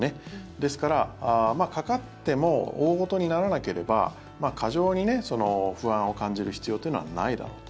ですから、かかっても大事にならなければ過剰に不安を感じる必要というのはないだろうと。